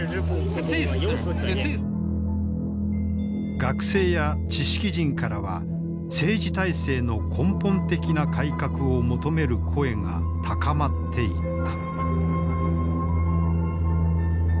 学生や知識人からは政治体制の根本的な改革を求める声が高まっていった。